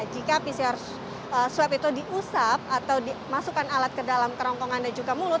jika pcr swab itu diusap atau dimasukkan alat ke dalam kerongkongan dan juga mulut